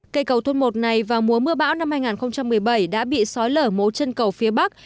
cây cầu thôn một này vào mùa mưa bão năm hai nghìn một mươi bảy đã bị sói lở mố chân cầu phía bắc